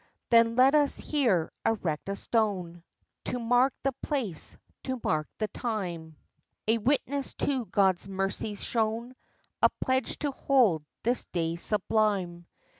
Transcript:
Then let us here erect a stone, To mark the place, to mark the time; A witness to God's mercies shown, A pledge to hold this day sublime.